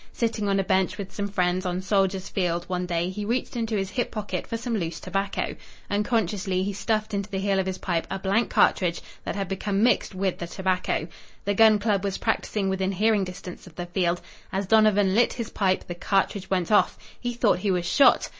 Sitting on a bench with some friends, on Soldiers' Field, one day he reached into his hip pocket for some loose tobacco. Unconsciously he stuffed into the heel of his pipe a blank cartridge that had become mixed with the tobacco. The gun club was practicing within hearing distance of the field. As Donovan lighted his pipe the cartridge went off. He thought he was shot.